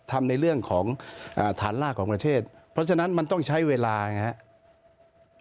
ทำในเรื่องของฐานลากของประเทศเพราะฉะนั้นมันต้องใช้เวลานะครับ